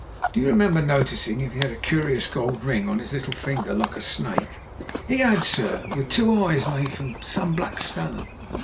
"Do you remember noticing if he had a curious gold ring on his little finger, like a snake?" "He had, sir, with two eyes made of some black stone.